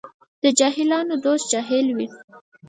د جاهلانو دوست جاهل وي.